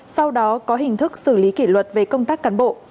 sau đó có hình thức xử lý kỷ luật về công tác cán bộ